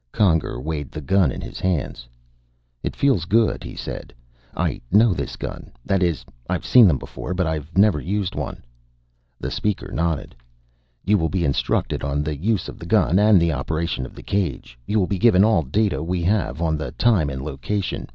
Conger weighed the gun in his hands. "It feels good," he said. "I know this gun that is, I've seen them before, but I never used one." The Speaker nodded. "You will be instructed on the use of the gun and the operation of the cage. You will be given all data we have on the time and location.